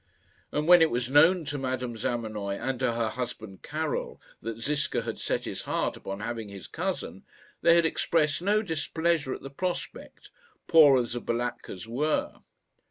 And when it was known to Madame Zamenoy and to her husband Karil that Ziska had set his heart upon having his cousin, they had expressed no displeasure at the prospect, poor as the Balatkas were.